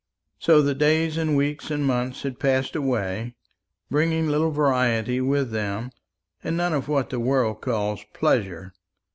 So the days and weeks and months had passed away, bringing little variety with them, and none of what the world calls pleasure.